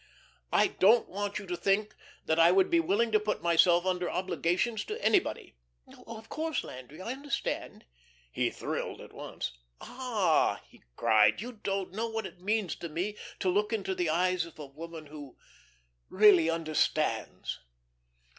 "I don't want you to think that I would be willing to put myself under obligations to anybody." "Of course, Landry; I understand." He thrilled at once. "Ah," he cried, "you don't know what it means to me to look into the eyes of a woman who really understands."